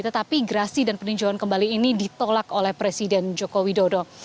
tetapi gerasi dan peninjauan kembali ini ditolak oleh presiden joko widodo